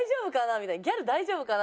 みたいなギャル大丈夫かな？